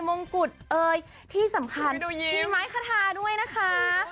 มงกุฎเอ่ยที่สำคัญมีไม้คาทาด้วยนะคะ